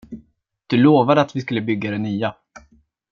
Du lovade att vi skulle bygga det nya.